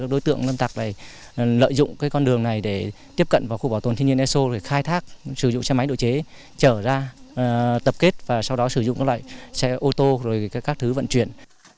đối tượng lâm tạc lợi dụng con đường này để tiếp cận vào khu bảo tồn thiên nhiên eso khai thác sử dụng xe máy độ chế chở ra tập kết và sau đó sử dụng xe ô tô các thứ vận chuyển